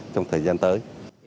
trong thời gian tới